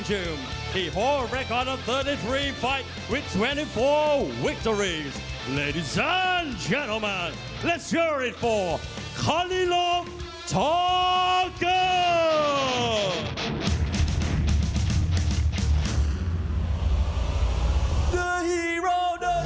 สวัสดีทุกคนไปกันกันกันกันกันกันคอลิลอฟทอร์เกิร์ด